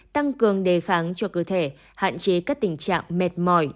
tăng cường đề kháng cho cơ thể hạn chế các tình trạng mệt mỏi